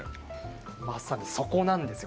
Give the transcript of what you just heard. まさに、そこなんですよ。